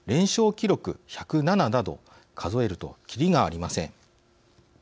記録１０７など数えると、切りがありません。